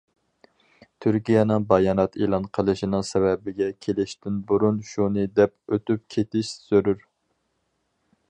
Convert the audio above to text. تۈركىيەنىڭ بايانات ئېلان قىلىشىنىڭ سەۋەبىگە كېلىشتىن بۇرۇن شۇنى دەپ ئۆتۈپ كېتىش زۆرۈر.